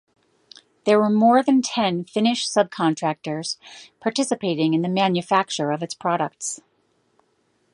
There were more than ten Finnish subcontractors participating in the manufacture of its products.